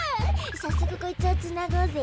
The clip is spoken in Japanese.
さっそくこいつをつなごうぜ。